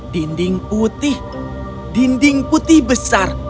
dinding putih dinding putih besar